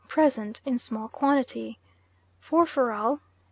Present in small quantity. Furfural .